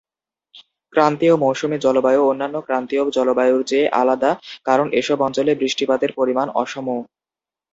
ক্রান্তীয় মৌসুমি জলবায়ু অন্যান্য ক্রান্তীয় জলবায়ুর চেয়ে আলাদা কারণ এসব অঞ্চলে বৃষ্টিপাতের পরিমান অসম।